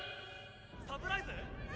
「サプライズ？」